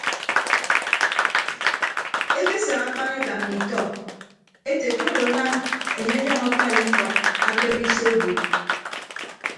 Ekesak akpaneka mmi itọ ete ke odo anam enye ọnyọñ akai ikọd akedịp iso obuud.